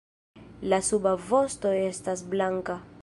La suba vosto estas blanka.